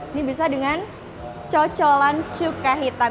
ini bisa dengan cocolan cukai hitam